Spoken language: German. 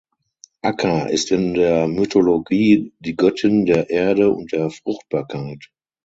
Akka ist in der Mythologie die Göttin der Erde und der Fruchtbarkeit.